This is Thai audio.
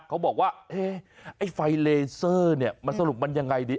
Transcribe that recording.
เขาบอกว่าเอ๊ะไอ้ไฟเลเซอร์เนี่ยมันสรุปมันยังไงดี